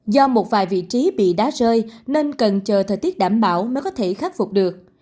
do một vài vị trí bị đá rơi nên cần chờ thời tiết đảm bảo mới có thể khắc phục được